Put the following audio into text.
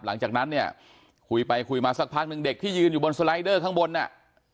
หลังจากนั้นเนี่ยคุยไปคุยมาสักพักหนึ่งเด็กที่ยืนอยู่บนสไลเดอร์ข้างบนอ่ะ